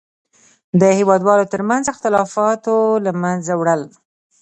د هېوادوالو تر منځ اختلافاتو له منځه وړل.